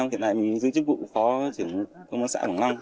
hiện tại mình giữa chức vụ phó chiều ngân xã hồng năm